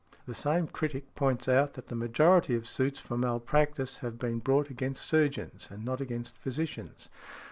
The same critic points out that the majority of suits for malpractice have been brought against surgeons and not against physicians.